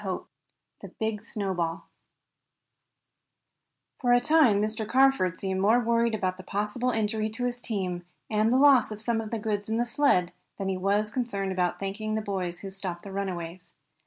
CHAPTER III THE BIG SNOWBALL For a time Mr. Carford seemed more worried about the possible injury to his team, and the loss of some of his goods in the sled, than he was concerned about thanking the boys who had stopped the runaways.